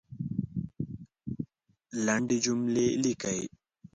لندي جملې لیکئ !